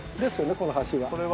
この橋は。